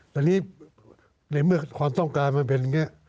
ตอนนี้ในเมื่อความต้องการมันเป็นอย่างนี้